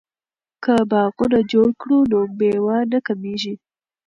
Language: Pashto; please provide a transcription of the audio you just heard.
که باغونه جوړ کړو نو میوه نه کمیږي.